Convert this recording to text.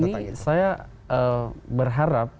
ini saya berharap